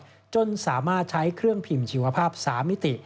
จนสามารถใช้เครื่องพิมพ์ชีวภาพ๓มิติ